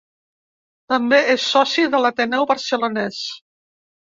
També és soci de l'Ateneu Barcelonès.